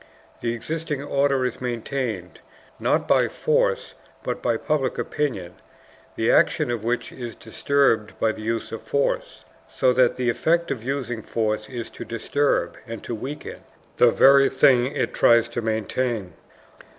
The existing order is maintained, not by force, but by public opinion, the action of which is disturbed by the use of force. So that the effect of using force is to disturb and to weaken the very thing it tries to maintain.